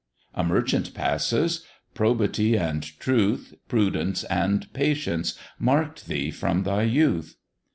A Merchant passes, "Probity and truth, Prudence and patience, mark'd thee from thy youth."